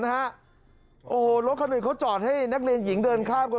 โอ้โหรถคันอื่นเขาจอดให้นักเรียนหญิงเดินข้ามกัน